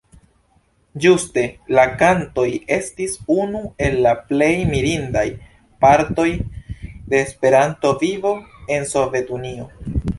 Ĝuste la kantoj estis unu el la plej mirindaj partoj de Esperanto-vivo en Sovetunio.